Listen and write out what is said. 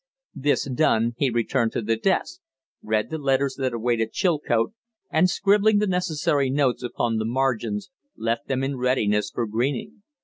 This done, he returned to the desk, read the letters that awaited Chilcote, and, scribbling the necessary notes upon the margins, left them in readiness for Greening.